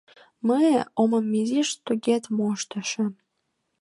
Мые, омым изиш тогед моштышо